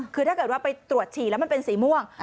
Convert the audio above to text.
คือถ้าเกิดว่าไปตรวจฉี่แล้วมันเป็นสีม่วง